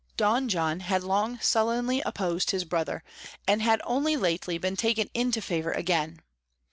Don John had long sullenly opposed his brother, and had only lately been taken into favour again.